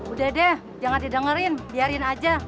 udah deh jangan didengerin biarin aja